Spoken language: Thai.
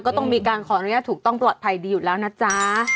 ก็ต้องมีการขออนุญาตถูกต้องปลอดภัยดีอยู่แล้วนะจ๊ะ